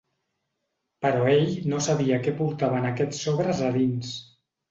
Però ell no sabia què portaven aquests sobres a dins.